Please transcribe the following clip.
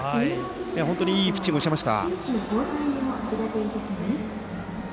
本当にいいピッチングをしていました。